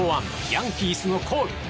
ヤンキースのコール。